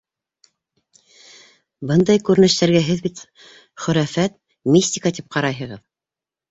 Бындай күренештәргә һеҙ бит хөрәфәт, мистика тип ҡарайһығыҙ.